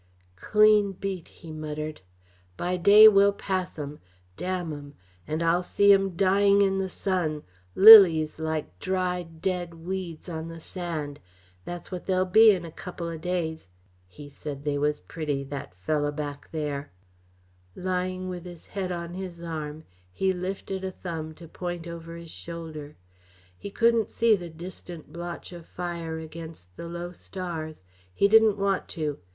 "Clean beat," he muttered. "By day we'll pass 'em. Damn 'em and I'll see 'em dyin' in the sun lilies like dried, dead weeds on the sand that's what they'll be in a couple o' days he said they was pretty, that fello' back there " Lying with his head on his arm, he lifted a thumb to point over his shoulder. He couldn't see the distant blotch of fire against the low stars he didn't want to.